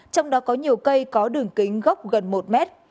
trong đó có nhiều cây có đường kính gốc gần một mét